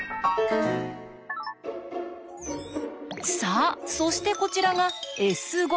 さあそしてこちらが「Ｓ」。